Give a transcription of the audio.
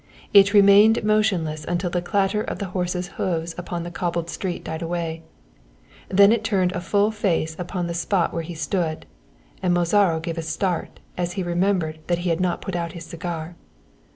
It remained motionless until the clatter of the horse's hoofs upon the cobbled street died away, then it turned a face full upon the spot where he stood, and Mozaro gave a start as he remembered that he had not put out his cigar.